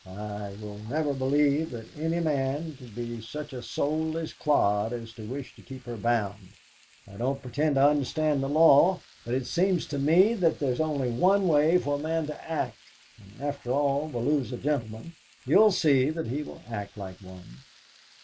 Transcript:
I will never believe that any man could be such a soulless clod as to wish to keep her bound. I don't pretend to understand the law, but it seems to me that there's only one way for a man to act and after all Bellew's a gentleman. You'll see that he will act like one!"